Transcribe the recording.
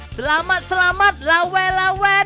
สลามัสหวัดด้าน